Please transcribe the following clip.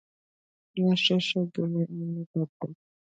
نه ښه ښه گڼي او نه بد بد